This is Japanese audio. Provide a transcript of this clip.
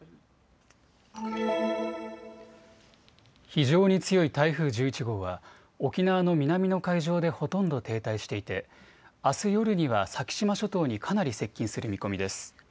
非常に強い台風１１号は沖縄の南の海上でほとんど停滞していてあす夜には先島諸島にかなり接近する見込みです。